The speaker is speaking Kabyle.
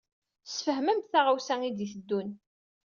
Sfehmem-d taɣawsa i d-iteddun.